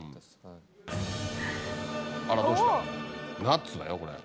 ナッツだよこれ。